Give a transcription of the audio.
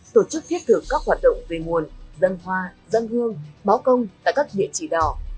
tổ chức thiết thực các hoạt động về nguồn dân hoa dân hương báo công tại các địa chỉ đỏ